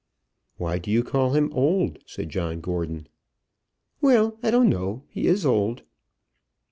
"Why do you call him old?" said John Gordon. "Well; I don't know. He is old."